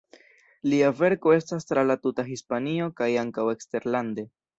Lia verko estas tra la tuta Hispanio kaj ankaŭ eksterlande.